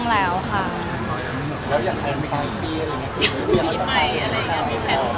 ก็เปิดกล้องแล้ว